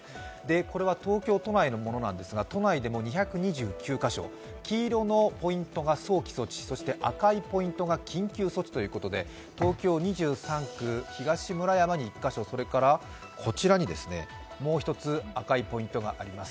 これは東京都内のものなんですが、都内でも２２９カ所、黄色のポイントが早期措置そして赤いポイントが緊急措置ということで、東京２３区、東村山に１カ所、こちらにもう１つ、赤いポイントがあります。